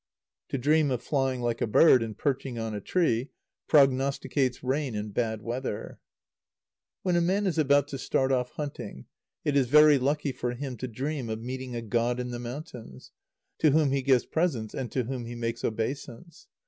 To dream of flying like a bird, and perching on a tree, prognosticates rain and bad weather. When a man is about to start off hunting, it is very lucky for him to dream of meeting a god in the mountains, to whom he gives presents, and to whom he makes obeisance.